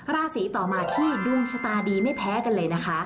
ราศีต่อมาที่ดวงชะตาดีไม่แพ้กันเลยนะคะ